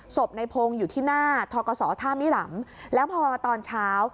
ศพในพงศ์อยู่ที่หน้าทกศท่ามิหลังแล้วพอมาตอนเช้า